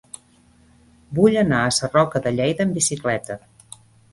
Vull anar a Sarroca de Lleida amb bicicleta.